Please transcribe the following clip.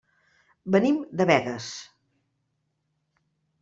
Venim de Begues.